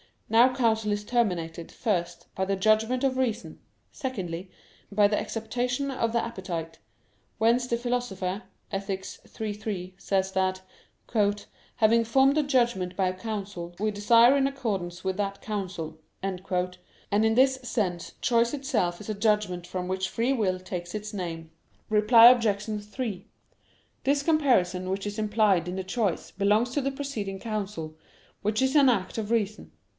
Now counsel is terminated, first, by the judgment of reason; secondly, by the acceptation of the appetite: whence the Philosopher (Ethic. iii, 3) says that, "having formed a judgment by counsel, we desire in accordance with that counsel." And in this sense choice itself is a judgment from which free will takes its name. Reply Obj. 3: This comparison which is implied in the choice belongs to the preceding counsel, which is an act of reason.